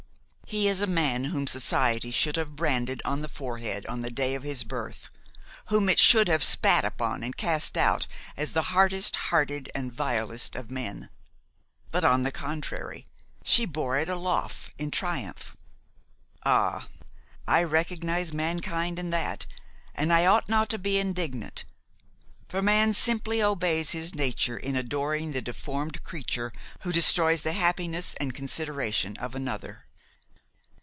He is a man whom society should have branded on the forehead on the day of his birth! whom it should have spat upon and cast out as the hardest hearted and vilest of men! But on the contrary, she bore it aloft in triumph. Ah! I recognize mankind in that, and I ought not to be indignant; for man simply obeys his nature in adoring the deformed creature who destroys the happiness and consideration of another.